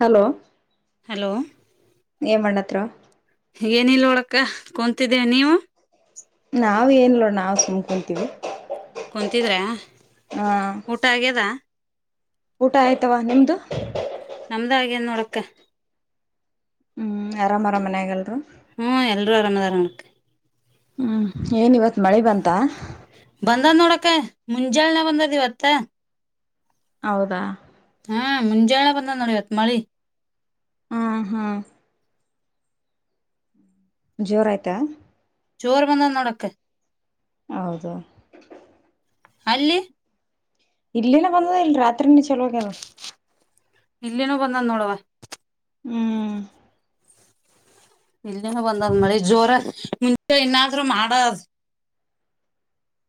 Hello. Hello ಏನ್ ಮಾಡತ್ ತ್ರ. ಏನಿಲ್ ನೋಡಕ್ಕ ಕುಂತಿದ್ದೆ ನೀವು. ನಾವ್ ಏನ್ ಲಾ ನಾವ್ ಸುಮ್ಕೊಂತೀವಿ. ಕುಂತಿದ್ರೆ ಊಟ ಆಗ್ಯದ. ಊಟ ಆಯ್ತವ್ವ ನಿಮ್ದು. ನಮ್ದ ಆಗ್ಯದ್ ನೋಡಕ್ಕ. ಹೂ ಆರಾಮರ ಮನ್ಯಾಗ್ ಎಲ್ರು. ಹ್ಮ್ ಎಲ್ರೂ ಆರಾಮದರ ನೋಡಕ್ಕ. ಹ್ಮ್ ಏನಿವತ್ ಬಂದಾದ್ ನೋಡಕ್ಕ. ಮುಂಜಾಳನೆ ಬಂದೇದ್ ಇವತ್ತ. ಹೌದಾ. ಹಾ ಮುಂಜಳೆ ಬಂದದ್ ನೋಡಿವತ್ ಮಳಿ. ಹ್ಮ್ ಹ. ಜೋರಾಯ್ತಾ. ಚೋರ್ ಬಂದಾದ್ ನೊಡಕ್ಕ. ಹೌದು. ಅಲ್ಲಿ. ಇಲ್ಲಿನು ಬಂದದೇ ಇಲ್ ರಾತ್ರಿನೆ ಚಲೋ ಆಗ್ಯದ. ಇಲ್ಲಿನೂ ಬಂದದ್ ನೋಡವ್ವ. ಹ್ಮ್. ಇಲ್ಲಿನು ಬಂದದ್ ಮಳಿ ಜೋರ ಮುಂಚೆ ಇನ್ನಾದ್ರು ಮಾಡಸ್.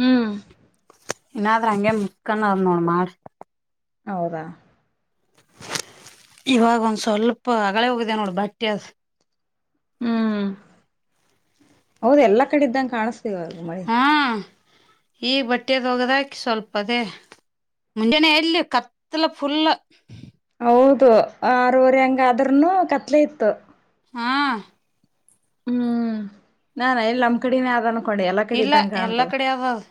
ಹ್ಮ್. ಇನಾದ್ರ ಹಂಗೆ ಮುಕ್ಕನೋದ್ ನೋಡ್ ಮಾಡ್. ಹೌದ. ಇವಾಗ್ ಒಂದ್ ಸ್ವಲ್ಪ ಹಗಳೇ ಹೋಗಿದೆ ನೋಡ್ ಬಟ್ಟೆ ಅದ್. ಹ್ಮ್ ಹೌದ ಎಲ್ಲಾ ಕಡೆ ಇದ್ದಂಗ ಕಾಣಸ್ತ ಸೇವಾಗ ಮಾಡಿ [unintelligible] ಈ ಬಟ್ಟೆದೋಗದಾಕಿ ಸ್ವಲ್ಪದೇ ಮುಂಜಾನೆ ಎಲ್ಲಿ ಕತ್ತಲ ಫುಲ್ ಹೌದು ಆರವರೆ ಹಂಗ ಅದ್ರನು ಕತ್ಲೆ ಇತ್ತು ಹಾಂ [unintelligible] ಹ್ಮ್ ನಾಾನ ಎಲ್ಲ ನಮ್ಮ್ ಕಡಿನೇ ಆದಾನ ಇಲ್ಲ ಎಲ್ಲಾ ಕಡೆಾವ ಅದು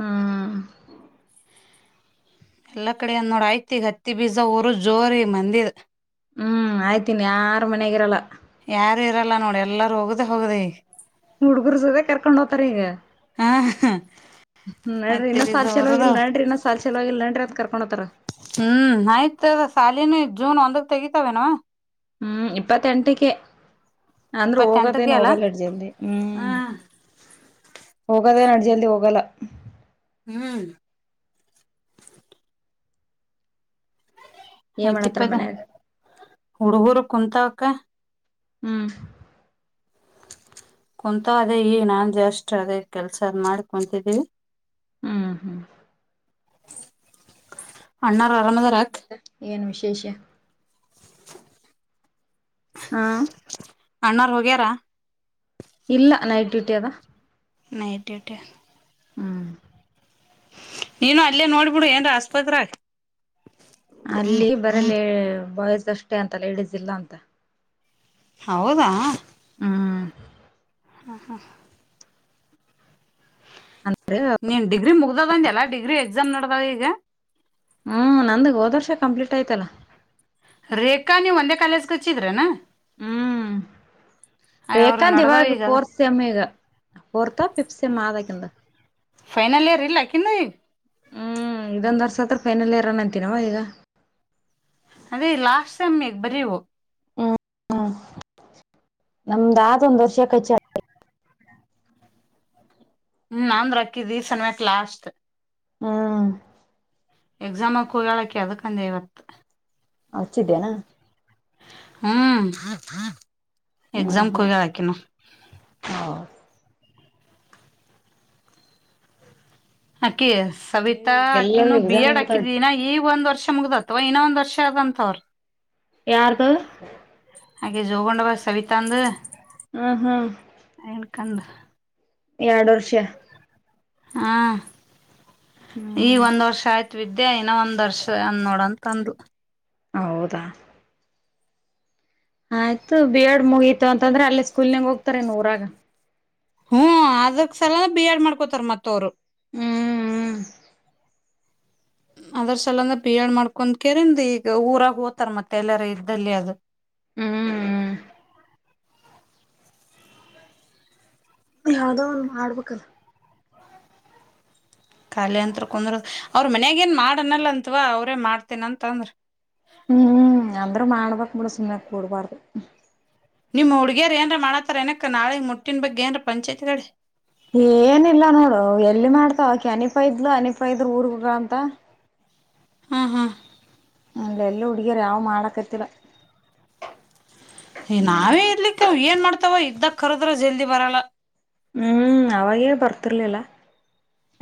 ಹಾ ಎಲ್ಲಾ ಕಡೆಂದ ನೋಡ್ ಆಯ್ತಿ ಈಗ ಹತ್ತಿ ಬೀಜ ಊರು ಜೋರಿ ಮಂದಿರ್ ಹ್ಮ್ ಆಯ್ತೀನಿ ಯಾರ ಮನಗರಲ್ಲ ಯಾರು ಇರಲ್ಲ ನೋಡಿ ಎಲ್ಲಾರೂ ಹೋಗ್ದ ಹೋಗದ ಹುಡ್ಗರ್ ಸದ ಕರ್ಕೊಂಡ್ ಹೋತಾರ ಈಗ ಹಾ ನಡ್ರಿ ಹತ್ತಿ ಇನ್ನ ಬೀಜ ಸಾಲ್ ಚಲೋವಾಗಿಲ್ ಊರದವ್ ನಡ್ರಿ ಇನ್ನ ಸಾಲ್ ಚಲೋವಾಗಿಲ್ ನಡ್ರಿ ಅಂತ ಕರ್ಕೊಂಡ [unintelligible] [unintelligible] ಒಣತ್ರರ ಹ್ಮ್ ಆಯ್ತು ಸಾಲಿನ ಜೂನ್ ಒಂದಕ್ ತೆಗಿತಾವ ನವ ಹ್ಮ್ ಇಪ್ಪತ್ತಂಟಕ್ಕೆ ಅಂದ್ರರು ಇಪ್ಪತ್ತೆಂಟಕ್ಕೆ ಹೋಗದೇನ್ ಅಲ್ಲ ಹೋಗಲ್ಲ ಅಡ್ಜಲ್ದಿ ಹ್ಮ್ ಹೋಗದೇನ ಅಡ್ಜಲ್ದಿ ಹೋಗಲ್ಲ ಹ್ಮ್ ಏನ್ ಆಯ್ತಿ ಮಾಡತ್ತಾರ ಇಪ್ಪದ ಮನ್ಯಾಗ ಹುಡುಗುರು ಕುಂತ ಕ್ಕ ಹ್ಮ್ ಕುಂತ ಅದೇ ಈ ನಾನ್ ಜಾಸ್ಟ್ ಅದೇ ಕೆಲ್ಸ ಅದ್ ಮಾಡ್ ಕುಂತಿದ್ದೀವಿ ಹ್ಮ್ ಹ್ಮ್ [unintelligible] ಅಣ್ಣ ಮತ್ತೆ ಏನ್ ವಿಷಯ ಶೇಷ ಹಾ ಅಣ್ಣಾರ್ ಹೋಗ್ಯಾರಾ ಇಲ್ಲ ನೈಟ್ ಡ್ಯೂಟಿ ಅದ ನತಟ ಹ್ಮ್ ನೀನು ಅಲ್ಲೇ ನೋಡ್ಬಿಡು ಏನ್ ಆಸ್ಪತ್ರ ಅಲ್ಲಿ ಬರಲ್ಲ ಬಯಸ್ ಅಷ್ಟೇ ಅಂತಲ್ಲ ಇಡಿಸಿಲ್ಲ ಅಂತ ಹೌದಾ ಹ್ಮ್ ಹಾ ಹಾ ಹಾ ಅಂದ್ರೆ ನೀನ್ ಡಿಗ್ರಿ ಮುಗ್ದದಂಲ್ಲ ಡಿಗ್ರಿ ಎಕ್ಸಾಮ್ ನಡ್ದಾವ ಈಗ ಹ್ಮ್ ನಂದ ಹೋದ ವರ್ಷ ಕಂಪ್ಲೀಟ್ ಆಯ್ತಲ್ಲ ರೇಖಾ ನೀವ್ ಒಂದೇ ಕಾಲೇಜಗೆಚ್ಚಿದ್ರನಾ ಹ್ಮ್ ಅವ್ರು ರೇಖಾಂತ ನಡ್ದಾವ ಇವಾಗ ಈಗ ಅದ ಫೋರ್ತ್ ಸೆಮ್ ಈಗ ಫೋರ್ತ್ ಿಫತ್ ಸೆಮ್ ಆದಕಿಂದ ಫೈನಲ್ ಇಯರ್ ಇಲ್ಲ ಆಕಿನು ಇಗ ಹ್ಮ್ ಇದೊಂದ್ ವರ್ಷ ಹತ್ರ ಫೈನಲ್ ಇರನ ಅಂತನವ ಈಗ ಅದೇ ಲಾಸ್ಟ್ ಟೈಮ್ಗ್ ಬರೀವು ಹ್ಮ ನಮ್ದತ ಒಂದ್ ವರ್ಷ ಕಚ ಹ್ಮ್ ನಂದ್ ರಕ್ಕಿದೀ ಸನ್ಯಕ್ ಲಾಸ್ಟ್ ಹಾ ಎಕ್ಸಾಮಕ್ ಹೋಗಳಕ್ಕೆ ಅದಕ್ಕಂದೆ ಇವತ್ತು ಹಚ್ಚಿದ್ದೇನಾ ಹ್ಮ್ ಹ್ಮ್ ಎಕ್ಸಾಮಕ ಹ್ಮ್ ಹೋಗ್ಯಳ ಅಕಿನು ಹೌದು ಅಕ್ಕಿ ಸವಿತಾ ಎಲ್ಲರೂ ಅಕಿನ ಬಿ ಎಕ್ಸಾಮ್ ಎಡ್ ಮಾಡ್ತಾಳ ಹಾಕಿದಿನ ಈಗ ಒಂದು ವರ್ಷ ಮುಗ್ದ ಅಥವಾ ಇನ್ನೊ ಒಂದ್ ವರ್ಷ ಅಂತಅವರದ್ ಯಾರದು ಹಾಗೆ ಜೋಗೊಂಡ ಬಸ್ ಸವಿತಾ ಅಂದ ಹ್ಮ ಹ್ಮ್ ಕಂದ ಎರಡು ವರ್ಷ ಹಾ ಈಗ ಹ್ಮ್ ಒಂದ್ ವರ್ಷ ಆಯ್ತು ವಿದ್ಯಾ ಇನ್ನ ಒಂದರ್ಶ ಅನ್ ನೋಡಂತ ಅಂದು ಹೌದಾ ಆಯ್ತು ಬಿ ಎಡ್ ಮುಗಿತ್ ತತಂದ್ರೆ ಅಲ್ಲಿ ಸ್ಕೂಲ್ ಹೋಗತ್ತರೆ ನೂರ [inaudible] ಹ್ಮ ಅದಕ್ ಸಲ ಬಿ ಎಡ್ ಮಾಡ್ಕೋತಾರ ಮತ್ತವರು ಹ್ಮ್ ಹ್ಮ್ ಅದ್ರ ಸಲಂದ ಬಿಳ್ ಮಾಡ್ಕೊ್ ಕರಿಂದ ಈಗ ಊರಾಗ ಹೋತಾರ ಮತ್ತೆ ಎಲ್ಲಾರ ಇದ್ದಲ್ಲಿ ಅದು ಹ್ಮ್ ಹ್ಮ್ ಯಾವ್ದೋ ಒಂದು ಮಾಡ್ಬೇಕು ಅಲ ಖಾಲಿ ಅಂತ್ ಕುಂದ್ರ ಅವ್ರ ಮನ್ಯಾಗ ಏನ್ ಮಾಡನಲ್ಲ ಅಂತತ್ವಾ ಅವ್ರೇ ಮಾಡ್ತೇನಂತಂದ್ರ ಹ್ಮ್ ಅಂದ್ರೂ ಮಾಡ್ಬಕ್ ಬಿಡ ಸುಮ್ಕ್ ಕೂಡ್ಬಾರ್ದು ನಿಮ್ಮ್ ಹುಡ್ಗರ್ ಏನ್ರ ಮಾಡಾತಾರ ಏನಕ್ ನಾಳೆಗ್ ಮುಟ್ಟಿನ ಬಗ್ಗೆ ಏನ್ರ ಪಂಚಾಯತ್ ಕಡೆ ಏನಿಲ್ಲ ನೋಡು ಎಲ್ಲಿ ಮಾಡ್ತಾವಕೆ ಅನಪ ಇದ್ಲು ಅನಿಪ ಇದ್ರು ಊರ್ಗ ಅಂತ ಹಾ ಹಾ ಹಲ್ಲ ಎಲ್ಲ ಉಡಗಾರೆ ಯಾವ ಮಾಡಕತಿಲ ನಾವೇ ಇರ್ಲಿಕ್ಕೆ ಏನ್ ಮಾಡ್ತವಿ ತವಾ ಇದ್ದಕ್ ಕರೋದ್ರ ಜಲ್ದಿ ಬರಲ್ಲ ಹ್ಮ್ ಅವಾಗೇ ಬರ್ತಿರ್ಲಿಲ್ಲ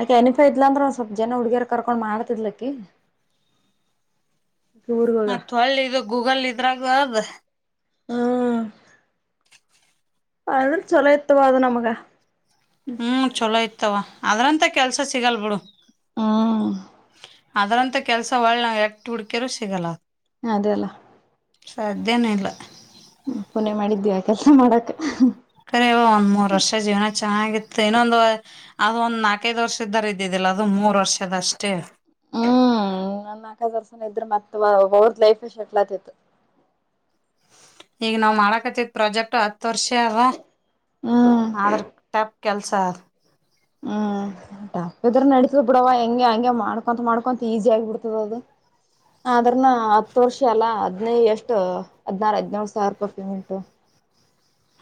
ಅಕೆ ಎನಫ ಇದ್ಲಾ ಅಂದ್ರೆ ಒ ಸ್ವಲ್ಪ ಜನ ಹುಡುಗಿಯರ್ ಕರ್ಕೊಂಡ್ ಮಾಡ್ತಿದ್ಲಕ್ಕಿ ಊರ್ಗ ಹೋಗ ಮತ್ತ ಒಳ್ಳ ಇದು ಗೂಗಲ್ ಇದ್ರಾಗ ಅದ ಹ್ಮ ಅ ಚೊಲ ಎತ್ತುುವ ಅದು ನಮಗೆ ಹ್ಮ್ ಚೊಲೋ ಇತವ ಅದ್ರಂತ ಕೆಲ್ಸ ಸಿಗಲ್ ಬಿಡು ಹಾ ಅದ್ರಂತ ಕೆಲ್ಸ ಒಳ್ಳೆ ಎಟ್ ಹುಡ್ಕ್ಯದ್ರು ಸಿಗಲ್ಲ. ಅದೇಲ್ಲ. ಸಾಧ್ಯನೆ ಇಲ್ಲ. ಹ್ಮ ಪುಣ್ಯ ಮಾಡಿದ್ಯ ಆ ಕೆಲ್ಸ ಮಾಡಕ. ಕರೆವಾ ಒಂದ್ ಮೂರ್ ವರ್ಷ ಜೀವ್ನ ಚೆನ್ನಾಗಿತ್ತು ಇನ್ನೊಂದ್ ವ. ಅದ್ ಒಂದ್ ನಾಲ್ಕೈದ್ ವರ್ಷದಾರ್ ಇದ್ದಿದ್ದಿಲ್ಲ ಅದು ಮೂರ್ ವರ್ಷದ್ ಅಷ್ಟೇ. ಹ್ಮ್ ಒನ್ ನಕೈದ್ ವರ್ಷ ಇದ್ರ ಮತ್ ಅವ್ ಅವ್ರದ್ ಲೈಫ ಶಟ್ಲ್ ಆತಿತ್ತು. ಈಗ್ ನಾವ್ ಮಾಡಕತಿತ್ ಪ್ರಾಜೆಕ್ಟ್. ಟತ್. ತೋರ್ಶ್ಯ ಅಲ್ವಾ ಹ್ಮ್ ಆದ್ರ ಟಪ್ ಕೆಲ್ಸ. ಹ್ಮ್ ಟಪ್ಪಿದ್ರ ನಡಿತ ಬಿಡವ ಹೆಂಗೆ ಹಂಗೆ ಮಾಡ್ಕೊಂತ ಮಾಡ್ಕೊಂತ ಈಸಿ ಆಗ್ ಬಿಡ್ತದ್ ಅದು ಆದ್ರನ ಹತ್ ವರ್ಷ ಅಲ್ಲಾ ಹದ್ನೈ ಎಷ್ಟು ಹದ್ನಾರು ಹದ್ನೋಳ್ ಸಾವ್ರ ರೂಪಾಯಿ ಪೇಮೆಂಟು.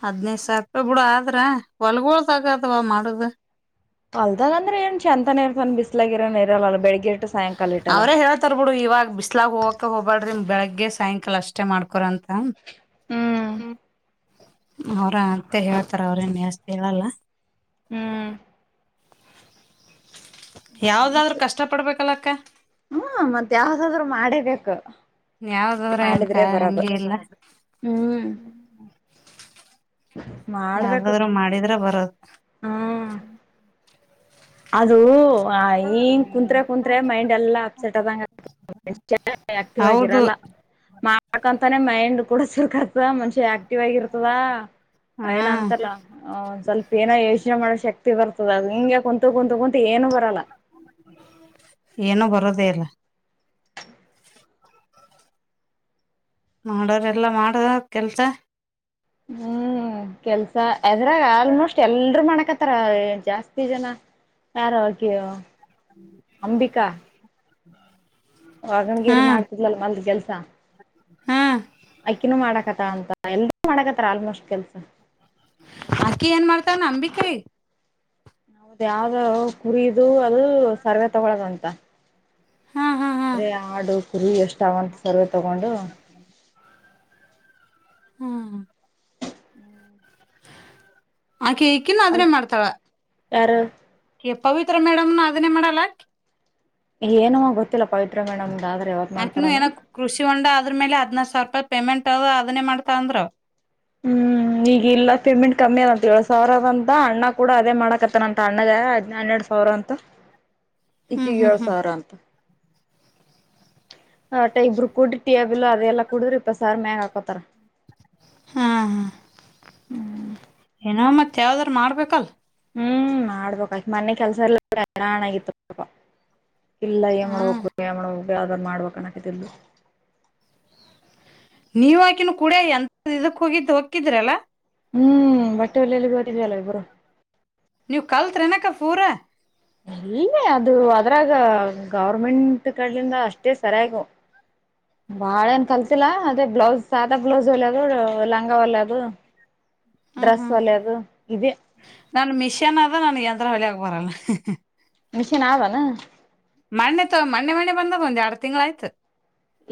ಹದ್ನೈದ್ ಸಾವ್ರ ರುಪಾಯ್ ಬಿಡ ಆದ್ರ ಹೊಲ್ಗೊಳದ ಆಗ್ದವ ಮಾಡೊದು. ಹೊಲ್ದಾಗ್ ಅಂದ್ರೆ ಏನ್ ಚಂತನೆ ಇರ್ತಾನ್ ಬಿಸ್ಲಾಗ್ ಇರನ್ ಇರಲ್ಲ ಬೆಳಗ್ಗೆ ಎಷ್ಟೋತ್ ಅವ್ರೇ ಹೇಳ್ತರ್ ಬಿಡು ಇವಾಗ್ ಬಿಸ್ಲಾಗ್ ಹೋಗಕ ಹೋಗಬಾರಡ್ರಿಮ್ ಬೆಳಿಗ್ ಗ್ಗೆ ಸಾಯಂಕಾಲ ಅಷ್ಟೇ ಮಾಡ್ಕೊರೆ ಅಂತ. ಹ್ಮ್ ಅವರಾ ಮತ್ತೆ ಹೇಳ್ತಾರ ಅವ್ರೇನ್ಸ್ತಿ ಹೇಳಲ್ಲ ಹ್ಮ ಯಾವ್ದಾದ್ರು [unintelligible] ಕಷ್ಟ ಪಡ್ಬೇಕಲ್ಲಕ್ಕ ಹ್ಮ ಮತ್ತ ಯಾವ್ದಾದ್ರು ಮಾಡೇಬೇಕು [inaudible] ಯಾವ್ದದರ ಏನು ಕ ಮಾಡಿದ್ರೆ ಬರದು ಅಂಗೆ ಎಲ್ಲ ಹ್ಮ್ ಮಾಡ್ಬೇಕು ಯಾವ್ದಾದ್ರರು ಮಾಡಿದ್ರ ಬರದು ಹ್ಮ್ [unintelligible] ಅದು ಹ ಕುತ್ರೆ ಕುತ್ರೆ ಮೈಂಡ್ ಎಲ್ಲಾ ಅಪ್ಸೆಟ್ ಆದಂಗ [unintelligible] ಆಕ್ಟಿವ್ ಹೌದು ಆಗಿರಲ್ಲ ಯಾಕಂತಾನೆ ಮೈಂಡ್ ಕೂಡ [unintelligible] ಮನ್ಷ್ಯ ಆಕ್ಟಿವ್ ಆಗಿರ್ತದ ಏನ ಹಾ ಅಂತಲ್ಲ ಸ್ವಲ್ಪ ಏನೋ ಯೋಚನೆ ಮಾಡೋ ಶಕ್ತಿ ಬರ್ತ ನಿಂಗೆ [unintelligible] [unintelligible] ಕುಂತು ಏನು ಬರಲ್ಲ [unintelligible] ದೇಲ್ಲ ಮಾಡೋದ್ ಎಲ್ಲಾ ಮಾಡೋದಾ ಕೆಲ್ಸ ಹ್ಮ್ ಕೆಲ್ಸ ಅದ್ರಾಗ ಆಲ್ಮೋಸ್ಟ್ ಎಲ್ರೂ ಮಾಡಕತ್ತಾರ ಜಾಸ್ತಿ ಜನ ಯಾರ [unintelligible] ಅಂಬಿಕಾ [inaudible] ಹಾ ವಾಗಣಗೇರಿ ಮಾಡ್ತಿದ್ಲಲ್ ಮಲ್ ಕೆಲ್ಸ ಹಾ ಅಕಿನೂ ಮಾಡಕತ್ತ ಅಂತ ಎಲರು ಮಾಡಕತ್ತಾರ ಆಲ್ಮೋಸ್ಟ್ ಕೆಲ್ಸ ಅಕ್ಕಿ ಏನ್ ಮಾಡ್ತಾರ ಅಂಬಿಕಾರಿ ಅದು ಯಾವ್ದ ಕುರಿದು ಅದು ಸರ್ವೆ ತಗೊಳದಂತ ಹಾ ಹಾ ಹಾ ಅಂದ್ರೆ ಆಡು ಕುರಿ ಎಷ್ಟಾವಂತ ಸರ್ವೇ ತಗೊಂಡು ಹ್ಮ್ ಆ ಈಕಿನ ಅದನ್ನೇ ಮಾಡ್ತಾಳ ಯಾರ ಪವಿತ್ರ ಮೇಡಮ್ ನ ಅದನ್ನೇ ಮಾಡಲ್ಲ ಏನೋ ಗೊತ್ತಿಲ್ಲ ಪವಿತ್ರ ಮೇಡಮ್ [unintelligible] [unintelligible] ಕೃಷಿ ಹೊಂಡ ಅದ್ರ ಮೇಲೆದನಾರ ಸಾವರ ರೂಪಾಯಿ ಪೇಮೆಂಟ್ ಅದೇನಾ ಮಾಡ್ತ ಅಂದ್ರರು ಹ್ಮ್ ಈಗ ಇಲ್ಲ ಪೇಮೆಂಟ್ ಕಮ್ಮಿ ಅದಂತ ಏಳ ಸಾವಿರ ಅದಂತ ಅಣ್ಣ ಕೂಡ ಅದೇ ಮಾಡಕತ್ತನಂತ ಅಣ್ಣಗ ಹದ್ ಹನ್ನೆರಡ್ ಸಾವಿರ ಅಂತ ಹ್ಮ್ ಈಕೆಗೆ ಹ್ಮ್ ಏಳ ಹ್ಮ್ ಸವಾರ ಅಂತ ಆಟ ಇಬ್ಬರು ಕುಡಿ ಟಿಬಿಲ್ ಅದೆಲ್ಲಾ ಕುಡ್ರಿ ಇಪ್ಪ ಸಾರ್ ಮ್ಯಾಗ ಹಾಕೋತಾರ ಹಾ ಹ ಏನೋ ಮತ್ತ ಯಾವ್ದಾರ ಮಾಡ್ಬೇಕಲ್ ಹ್ಮ್ ಮಾಡ್ಬಕ ಮೊನೆೆ ಕೆಲ್ಸ ಎಲ್ಲ ಹರಾಣ ಆಗಿತ್ತುಪ ಇಲ್ಲ ಏನ್ ಹ್ಮ್ ಮಾಡಬೇಕಾ ಏನ್ ಮಾಡಬೇಕಾ ಯಾವದನ ಮಾಡ್ಬೇಕನ [unintelligible] ನೀವಾಕಿನ ಕುೂಡಿಯ ಎಂತ ಇದಕ್ ಹೋಗಿದ್ದು ಹಕ್ಕಿದ್ರಲ್ಲಾ ಹ್ಮ್ ಬಟ್ಟೆ ಹೋಲಿಯಲ್ಲಿ [unintelligible] ಇಬ್ರು ಕಲ್ತ್ರಿನಕ್ಕ ಪೂರ ಇಲ್ಲ ಅದು ಅದ್ರಾಗ ಗವರ್ಮೆಂಟ್ ಕಡ್ಲಿಂದ ಅಷ್ಟೇ ಸರಿಯು ಬಾಳ ಏನ್ ಕಲ್ತಿಲ್ಲ ಅದೇ ಬ್ಲೌಸ್ ಸಾದಾ ಬ್ಲೌಸ್ ಒಲ್ಯದು ಲಂಗ ಒಲ್ಯದು ಹ್ಮ್ ಡ್ರೆಸ್ ಹ್ಮ್ ಒಲ್ಯದು ಇದೆ ನನ್ ಮಿಷನ್ ಆದ [unintelligible] ಹೊಲಿಯಕ್ಕ ಬರಲ್ಲ ಮಷೀನ್ ಆವನಾ ಮನ್ನೆ ತ ಮನ್ನೆ ಮನ್ನೆ ಬಂದದ ಒಂದೆರಡು ತಿಂಗ್ಳ ಆಯ್ತು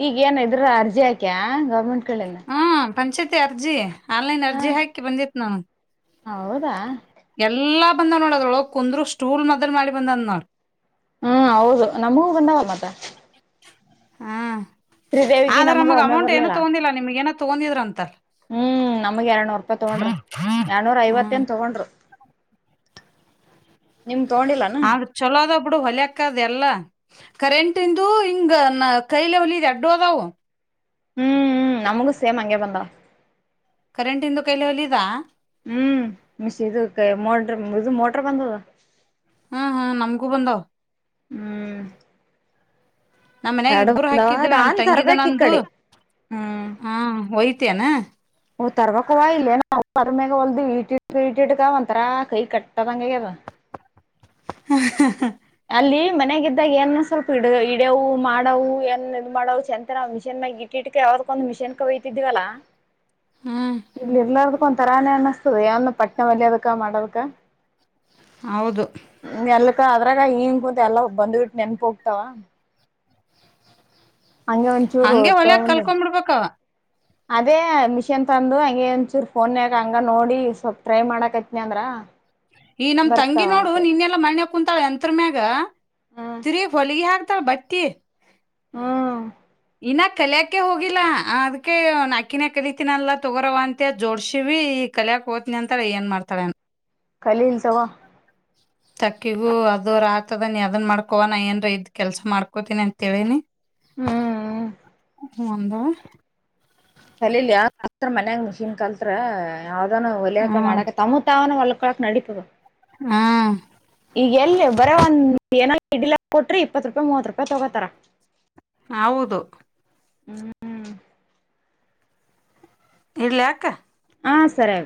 ಈಗ ಏನ ಇದ್ರ ಅರ್ಜಿ ಆಕ್ಯ [unintelligible] ಹ್ಮ್ ಪಂಚಾಯತಿ ಅರ್ಜಿ ಆನ್ಲೈನ್ ಅರ್ಜಿ ಹಾಕಿ ಬಂದಿತ್ ನಾನು ಹೌದಾ ಎಲ್ಲಾ ಬಂದ ನೋಡದಳ ಕುಂದರು ಸ್ಟೂಲ್ [unintelligible] ಮಾಡಿ ಬಂದ್ ನಾಳ. ಹ್ಮ ಹೌದು ನಮಗೂ ಬಂದಾವ ಮತ್ತ ಹಾ ಶ್ರೀದೇವಿಗ ಆದ್ರ ನಮ್ಗ ನಮಗ್ ಒಮ್ಮೆ ಅಮೌಂಟ್ ಏನು ಬರ್ಲಿಲ್ಲ ತಗೊಂಡಿಲ್ಲ ನಿಮ್ಗ ಏನೋ ತಗೊಂಡಿದ್ರ ಅಂತಲ್ ಹ್ಮ್ ನಮಗ ಎರಡ್ರ್ನೂರು ರೂಪಾಯಿ ತಗೊಂಡ್ರ ಎರಡನೂರ ಐವತ್ತ ಹ್ಮ್ ಏನ್ ತಗೊಂಡ್ರರು ನಿಮ ಆ ಚಲೋದ ಬಿಡು ಹೊಲೆಕ್ಕಾ ಅದ್ ಎಲ್ಲಾ ಕರೆಂಟ್ ಇಂದು ಹಿಂಗ ನ ಕೈ ಲೆವಲ್ ಇದೆ ಅಡ್ಡು ಆದವು ಹ್ಮ್, ನಮಗೂ ಸೇಮ್ ಹಂಗೆ ಬಂದ ಕರೆಂಟ ಇಂದು ಕೈಲ [unintelligible] ಇದಾ ಹ್ಮ್ [unintelligible] ಇದು ಮೋಟರ್ ಬಂದದ ಹ್ಮ್ ಹ್ಮ್ ನಮ್ಗೂ ಬಂದವ ಹ್ಮ್ ನಮ್ಮ ಮನ್ಯಾಗ ಎರಡು ಇಬ್ಬರು ಬಂದವ ಹಾಕಿದ್ದೇವಿ, ನಮ್ ನಾನ್ ತಂಗಿದ ತರ್ಬೇಕ ಈ ನಂದು. ಕಡೆ ಹ ಒಯ್ [unintelligible] ನಾ ತರಬೇಕವ್ವ [unintelligible] ಇಲ್ಲನ ಮ್ಯಾಗ ಒಲ್ದು ಐಟೀಟ್ ಇಟೀಟ್ಗ ಒಂತರಾ ಕೈ ಕಟ್ಟದಂಗಗೆದ. ಹ ಹ ಹ ಅಲ್ಲಿ ಮನೆಗಿದ್ದಾಗ ಏನಾನ ಸ್ವಲ್ಪ ಇಡ ಇಡೆವು ಮಾಡವು ಏನಾನ ಇದ ಮಾಡೆವು [unintelligible] ಮಿಷಿನಾಗ ಇಟ್ಟಿಟ್ಕ ಯಾವ್ದಕ್ಕ ಒಂದು ಮಿಷಿನ್ ಕಯತಿದವಲ್ಲ. ಹ್ಮ್ ಇಲ್ಲಿ [unintelligible] ತರಾನೆ ಅನ್ನಿಸ್ತದೆ ಯಾವ ಒಂದು ಪಟ್ನಾ ಹೊಲಿಯೋದಕ್ಕ ಮಾಡೋದಕ್ಕ. ಹೌದು ಕಾ [unintelligible] ಹಿಂಗ್ ಕುಂತವ ಎಲ್ಲ ಬಂದ್ಬಿಟ್ಟು ನೆನ್ಪು ಹೋಗತಾವ? ಒಂಚೂರು ಹಂಗೆ ಹೊಲಿಯಾಕ್ ತಗೊಂಡ ಕಲ್ಕೊಂ ಬಿಡ್ಬೇಕ ಅದೇ ಮಿಷನ್ ತಂದು ಹಂಗಗೆ ಒಚೂರ್ ಫೋನ್ ಯಾಗ ಹಂಗ ನೋಡಿ ಸ್ವಲ್ಪ್ ಟ್ರೈ ಮಾಡಕೈತ್ನಿ ಅಂದ್ರ ಈ ನಮ್ ತಂಗಿ ಬರ್ತಾವ ನೋಡು ಅಂತ ನಿನ್ನೆಯಲ್ಲ ಮನ್ನೆ ಕುಂತಳ ಯಂತ್ರ ಮ್ಯಾಗ ಹ್ಮ್ ತಿರಿಗ್ ಹೊಲಿಯಾಕ್ [unintelligible] ಬಟ್ಟಿ ಹ್ಮ್ ಇನ್ನ ಕಲಿಯಾಕೆ ಹೋಗಿಲ್ಲ, ಅದಕ್ಕೆ ನಾ ಆಕಿನೇ ಕಲಿತನಲ್ಲ ತೊಗೋರವ ಅಂತ ಜೋಡ್ಸಿವಿ ಈ ಕಲಿಯಾಕ್ ಹೊತಿನಿ ಅಂತಾಳ ಏನ್ ಮಾಡ್ತಾಳ ಕಲಿಲಿ ತಗ. ತಕ್ಕಿಗೂ ಅದು ಆತದ, ನೀ ಅದನ್ನು ಮಾಡ್ಕೋ. ನಾನು ಏನಾದರೂ ಕೆಲಸ ಮಾಡ್ಕೋತೀನಿ ಅಂತ್ ಹೇಳಿನಿ. ಹ್ಮ್ ಒಂದು ಕಲಿಲಿ [unintelligible] ಮನ್ಯಾಗ ಮಿಷೀನ್ ಕಲ್ತ್ರ ಯಾವ್ದಾನ ಉಲ್ಲೇಖ ಹ್ಮ್ ಮಾಡಕ ತಮ್ಮ ತಾವೇ ಹೊಲ್ [unintelligible] [unintelligible] ಕ್ಕಳಕ್ ನಡೀತದ ಹಾ ಈಗ ಎಲ್ಲಿ ಬರೇ ಒಂದ್ ಏನಾದರೂ [unintelligible] ಕೊಡ್ರಿ, ಇಪ್ಪತ್ತು ರೂಪಾಯಿ, ಮುವತ್ತು ರೂಪಾಯಿ ತಗೋತಾರ. ಹೌದು ಹ್ಮ್ ಇರ್ಲಿ ಹಾಕ ಹಾ, ಸರಿ